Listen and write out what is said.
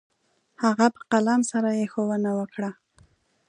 هغه په قلم سره يې ښوونه وكړه.